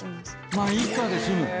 「まあいっか」で済むの？